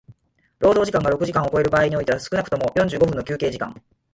労働時間が六時間を超える場合においては少くとも四十五分の休憩時間